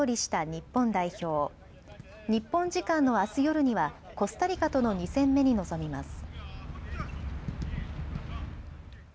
日本時間のあす夜にはコスタリカとの２戦目に臨みます。